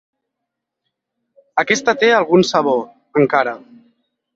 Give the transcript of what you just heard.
Aquesta té algun sabor, encara.